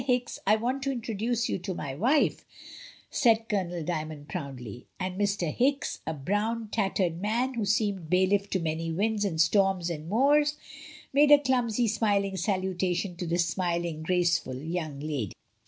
Hicks, I want to introduce you to my wife," said Colonel Dymond, proudly; and Mr. Hicks, a brown, tattered man, who seemed bailiff to many winds and storms and moors, made a clumsy, smil ing salutation to the smiling, graceful young lady.